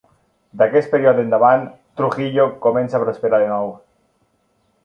D'aquest període endavant, Trujillo començà a prosperar de nou.